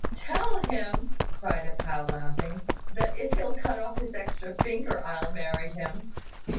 "Tell him," cried A pao, laughing, "that if he'll cut off his extra finger, I'll marry him."